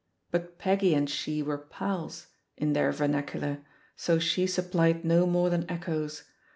But Peggy and she were "pals" — in their vernacular — so she supplied no more than echoes.